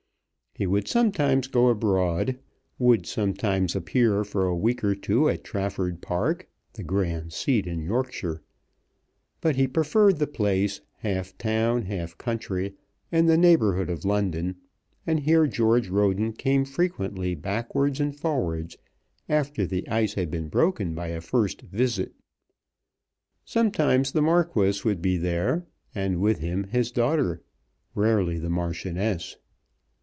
He would sometimes go abroad, would sometimes appear for a week or two at Trafford Park, the grand seat in Yorkshire. But he preferred the place, half town half country, in the neighbourhood of London, and here George Roden came frequently backwards and forwards after the ice had been broken by a first visit. Sometimes the Marquis would be there, and with him his daughter, rarely the Marchioness.